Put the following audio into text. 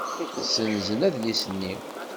Ssenzen adlis-nni.